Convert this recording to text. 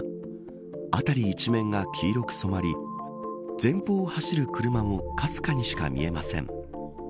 辺り一面が黄色く染まり前方を走る車もかすかにしか見えません。